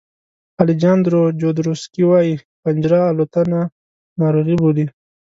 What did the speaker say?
الیجاندرو جودروسکي وایي پنجره الوتنه ناروغي بولي.